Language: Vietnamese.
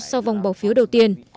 sau vòng bỏ phiếu đầu tiên